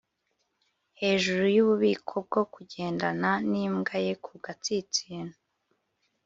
hejuru yububiko bwo kugendana nimbwa ye ku gatsinsino,